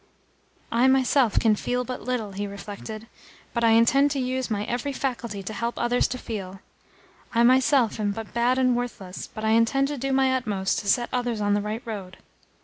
"I myself can feel but little," he reflected, "but I intend to use my every faculty to help others to feel. I myself am but bad and worthless, but I intend to do my utmost to set others on the right road.